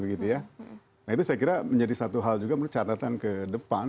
nah itu saya kira menjadi satu hal juga menurut catatan ke depan